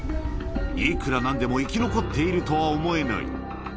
いくらなんでも生き残っているとは思えない。